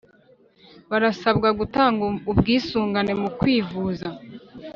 barasabwa gutannga ubwisungane mu kwivuza